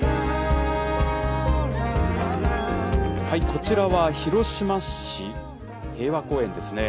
こちらは、広島市平和公園ですね。